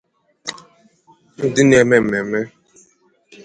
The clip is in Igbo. ndị na-eme mmemme